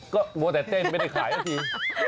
ก็มัวแต่เต้นไม่ได้ขายสักที